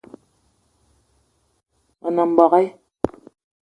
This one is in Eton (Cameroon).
Me nem mbogue